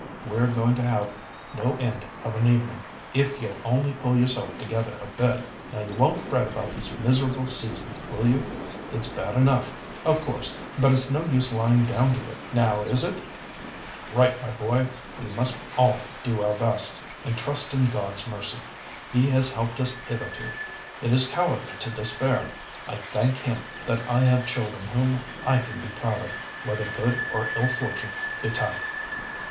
We're going to have no end of an evening, if you'll only pull yourself together a bit. Now you won't fret about this miserable season, will you? It's bad enough, of course, but it's no use lying down to it—now, is it?" "Right, my boy; we must all do our best, and trust in God's mercy. He has helped us hitherto. It is cowardly to despair. I thank Him that I have children whom I can be proud of, whether good or ill fortune betide." Mr.